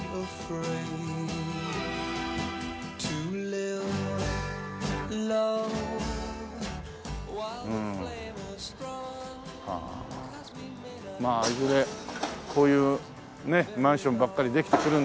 まあいずれこういうねマンションばっかりできてくるんでしょうけどね。